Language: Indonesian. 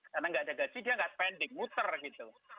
karena enggak ada gaji dia enggak spending muter gitu